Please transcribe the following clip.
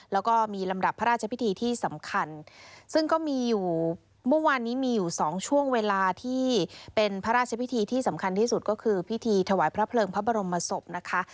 แล้วก็มีลำดับพระราชพิธีที่สำคัญซึ่งก็มีอยู่เมื่อวานนี้มีอยู่สองช่วงเวลาที่เป็นพระราชพิธีที่สำคัญที่สุดก็คือพิธีถวายพระเพลิงพระบรมศพนะคะ